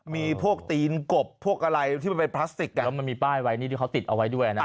มีพวกตีนกบพวกอะไรที่มันเป็นพลาสติกแล้วมันมีป้ายไว้นี่ที่เขาติดเอาไว้ด้วยนะ